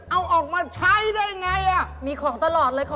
เอาไปอีกแล้ว